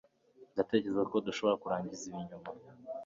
ndatekereza ko dushobora kurangiza ibi nyuma